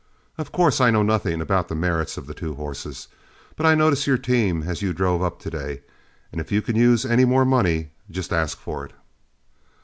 Of course I know nothing about the merits of the two horses, but I noticed your team as you drove up to day, and if you can use any more money, just ask for it."